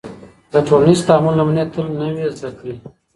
د ټولنیز تعامل نمونې تل نوې زده کړې